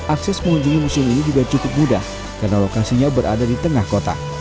akses mengunjungi museum ini juga cukup mudah karena lokasinya berada di tengah kota